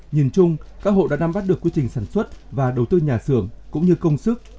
nhìn chung các hộ đã nắm bắt được quy trình sản xuất và đầu tư nhà xưởng cũng như công sức